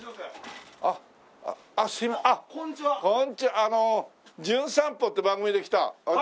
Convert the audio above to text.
あの『じゅん散歩』って番組で来た私